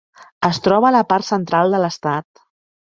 Es troba a la part central de l"estat.